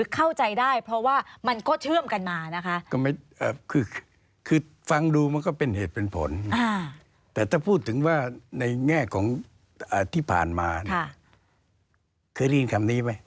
เคยได้ยินคำนี้ไหม